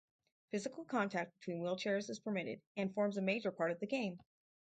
Physical contact between wheelchairs is permitted, and forms a major part of the game.